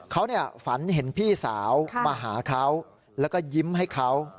เขาฝันเห็นพี่สาวมาหาเขาแล้วก็ยิ้มให้เขา